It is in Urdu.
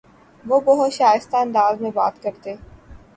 وہ بہت شائستہ انداز میں بات کرتے